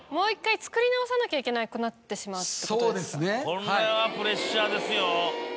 これはプレッシャーですよ。